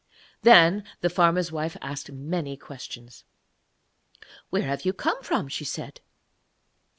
Then the farmer's wife asked many questions. 'Where have you come from?' she said.